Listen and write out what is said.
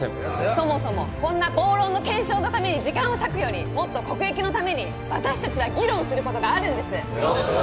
そもそもこんな暴論の検証のために時間を割くよりもっと国益のために私達は議論することがあるんですそうだ